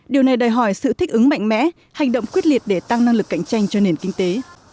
điều này đòi hỏi sự thích ứng mạnh mẽ hành động quyết liệt để tăng năng lực cạnh tranh cho nền kinh tế